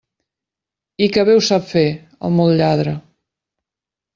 I que bé ho sap fer, el molt lladre!